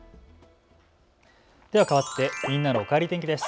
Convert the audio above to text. ではかわってみんなのおかえり天気です。